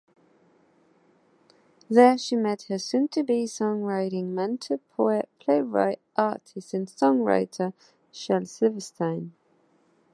There she met her soon-to-be songwriting mentor, poet, playwright, artist and songwriter Shel Silverstein.